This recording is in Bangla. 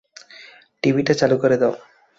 টিভিটা চালু করে দাও।